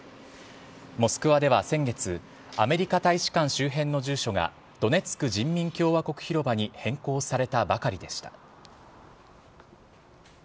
モスクワでは先月、アメリカ大使館周辺の住所が、ドネツク人民共和国広場に変更されたばかりでした。